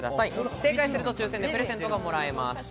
正解すると抽選でプレゼントがもらえます。